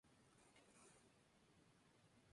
La capital y ciudad más grande es la ciudad de Gori.